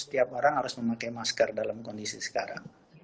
setiap orang harus memakai masker dalam kondisi sekarang